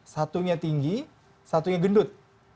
satunya tinggi satunya gendut